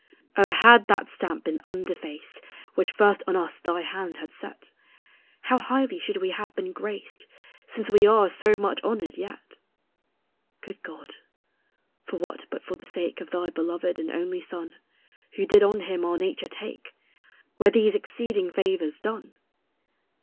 O, had that stamp been undefaced Which first on us thy hand had set, How highly should we have been graced, Since we are so much honored yet! Good God, for what but for the sake Of thy beloved and only Son, Who did on him our nature take, Were these exceeding favors done?